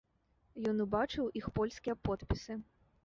Ён убачыў іх польскія подпісы.